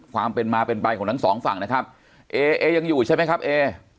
ความเป็นมาเป็นไปของทั้งสองฝั่งนะครับเอเอยังอยู่ใช่ไหมครับเอ